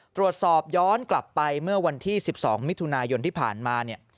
ตรวจสอบย้อนกลับไปเมื่อวันที่๑๒มิถุนายนที่ผ่านมาเนี่ย